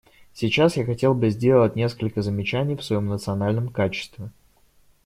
Сейчас я хотел бы сделать несколько замечаний в своем национальном качестве.